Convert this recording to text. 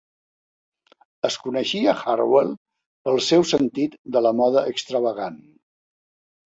Es coneixia Hartwell pel seu sentit de la moda extravagant.